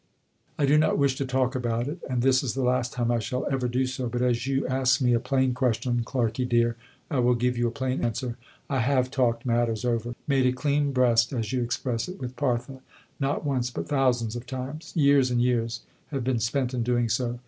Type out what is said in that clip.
I do not wish to talk about it and this is the last time I shall ever do so, but as you ask me a plain question, Clarkey dear, I will give you a plain answer. I have talked matters over ("made a clean breast," as you express it) with Parthe, not once but thousands of times. Years and years have been spent in doing so.